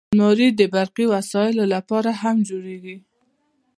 الماري د برقي وسایلو لپاره هم جوړیږي